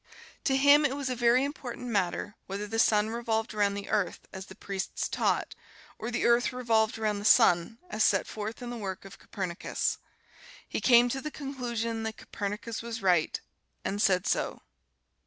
To him it was a very important matter whether the sun revolved around the earth as the priests taught, or the earth revolved around the sun as set forth in the work of Copernicus. He came to the conclusion that Copernicus was right, and said so.